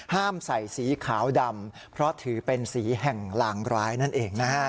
ห้ามใส่สีขาวดำเพราะถือเป็นสีแห่งลางร้ายนั่นเองนะฮะ